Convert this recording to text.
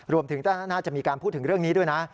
ถึงน่าจะมีการพูดถึงเรื่องนี้ด้วยนะ